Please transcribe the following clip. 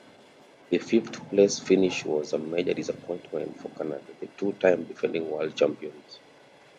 The fifth-place finish was a major disappointment for Canada, the two-time defending World Champions.